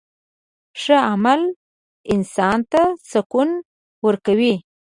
ښه عمل انسان ته سکون ورکوي.